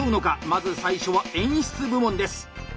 まず最初は演出部門です。